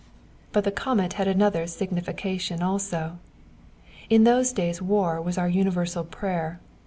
] But the comet had another signification also. In those days war was our universal prayer.